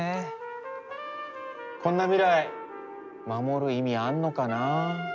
こんな未来守る意味あんのかな？